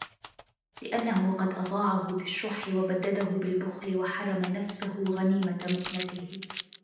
لِأَنَّهُ قَدْ أَضَاعَهُ بِالشُّحِّ وَبَدَّدَهُ بِالْبُخْلِ وَحَرَمَ نَفْسَهُ غَنِيمَةَ مُكْنَتِهِ